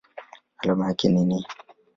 Alama yake ni Ni.